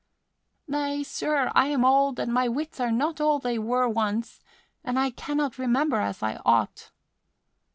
"Nay, sir, I am old and my wits are not all they were once and I cannot remember as I ought."